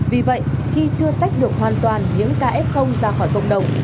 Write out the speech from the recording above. vì vậy khi chưa tách được hoàn toàn những kf ra khỏi cộng đồng